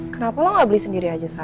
kenapa lo gak beli sendiri aja